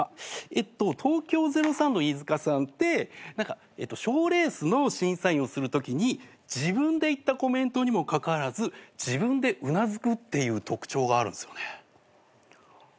えっと東京０３の飯塚さんって賞レースの審査員をするときに自分で言ったコメントにもかかわらず自分でうなずくっていう特徴があるんすよね。